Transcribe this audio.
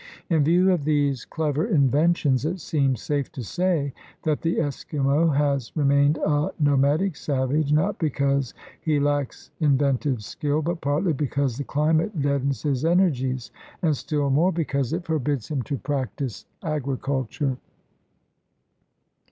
In view of these clever inventions it seems safe to say that the Eskimo has remained a no madic savage not because he lacks inventive skill but partly because the climate deadens his energies and still more because it forbids him to practice agriculture.